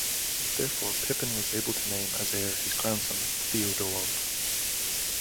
Therefore, Pepin was able to name as heir his grandson Theudoald.